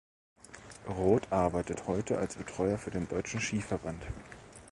Roth arbeitet heute als Betreuer für den Deutschen Skiverband.